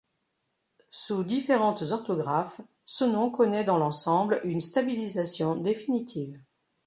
Sous différentes orthographes, ce nom connait dans l'ensemble une stabilisation définitive.